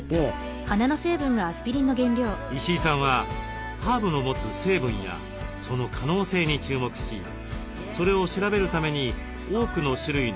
石井さんはハーブの持つ成分やその可能性に注目しそれを調べるために多くの種類のハーブを育てているのです。